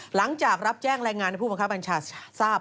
หลังจากรับแจ้งรายงานให้ผู้บังคับบัญชาทราบ